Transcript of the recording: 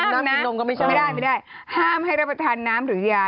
แล้วก็ห้ามไม่ได้ห้ามให้รับประทานน้ำหรือยา